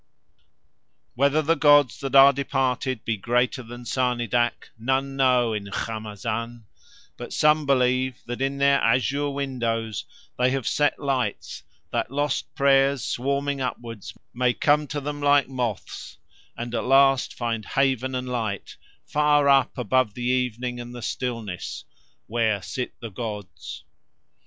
Whether the gods that are departed be greater than Sarnidac none know in Khamazan, but some believe that in their azure windows They have set lights that lost prayers swarming upwards may come to them like moths and at last find haven and light far up above the evening and the stillness where sit the gods.